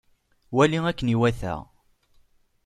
Wali akken iwata!